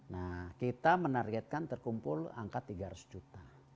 nah kita menargetkan terkumpul angka tiga ratus juta